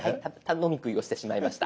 飲み食いをしてしまいました。